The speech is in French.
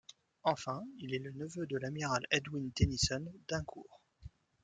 Enfin, il est le neveu de l'amiral Edwin Tennyson d’Eyncourt.